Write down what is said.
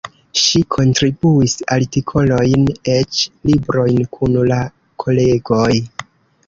Ŝi kontribuis artikolojn, eĉ librojn kun la kolegoj.